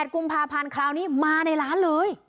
๘กรุงภาพรรณคราวนี้มาในร้านเลย